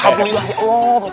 sama pak d